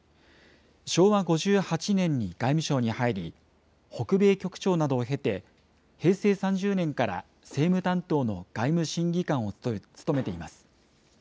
昭和５８年に外務省に入り、北米局長などを経て、平成３０年から政務担当の外務審議官を務めています。